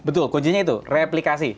betul kuncinya itu replikasi